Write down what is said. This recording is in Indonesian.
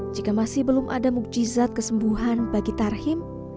jika masih belum ada mukjizat kesembuhan bagi tarhim